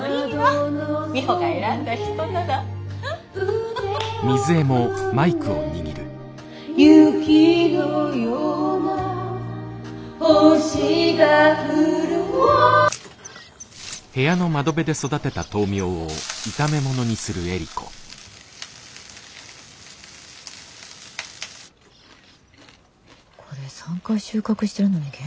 これ３回収穫してるのに元気ねぇ。